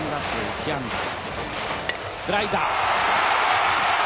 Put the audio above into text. スライダー。